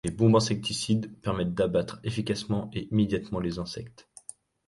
Les bombes insecticides permettent d’abattre efficacement et immédiatement les insectes.